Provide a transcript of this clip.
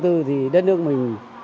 thì đất nước mình